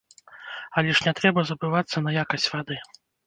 Але ж не трэба забывацца на якасць вады.